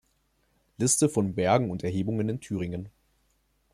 Liste von Bergen und Erhebungen in Thüringen